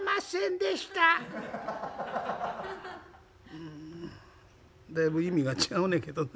「うんだいぶ意味が違うねんけどな。